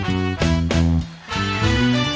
ที่วาสาบดี